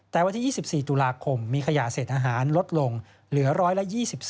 แต่วันที่๒๔ตุลาคมมีขยะเศษอาหารลดลงเหลือ๑๒